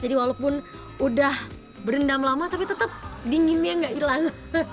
jadi walaupun sudah berendam lama tapi tetap dinginnya tidak hilang